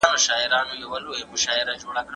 د دې کښت حاصل